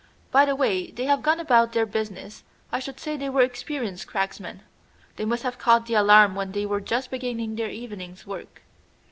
"By the way they have gone about their business, I should say they were experienced cracksmen. They must have caught the alarm when they were just beginning their evening's work."